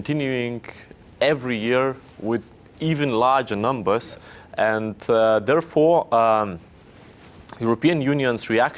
di mana uni eropa memilih untuk menangani deforestation global